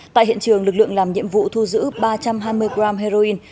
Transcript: tại hiện trường lực lượng làm nhiệm vụ thu giữ ba trăm hai mươi g heroin